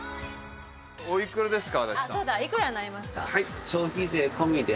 おいくらですか？